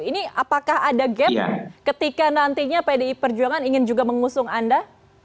ini apakah ada gap ketika nantinya pdi perjuangan ingin juga mengusung anda